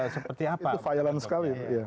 seperti apa itu violent sekali